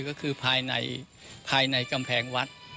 ก็คือภายในกำแพงวัด